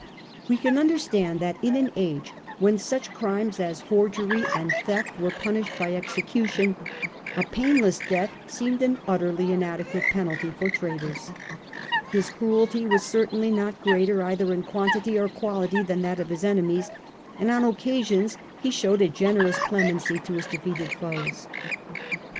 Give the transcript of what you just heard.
We can understand that in an age when such crimes as forgery and theft were punished by execution, a painless death seemed an utterly inadequate penalty for traitors. His cruelty was cer tainly not greater, either in quantity or quality, than that of his enemies : and on occasions he showed a generous clemency to his defeated foes.